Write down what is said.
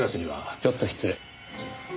ちょっと失礼。